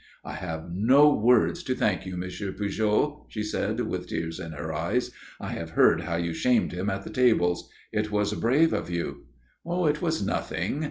"I have no words to thank you, Monsieur Pujol," she said with tears in her eyes. "I have heard how you shamed him at the tables. It was brave of you." "It was nothing."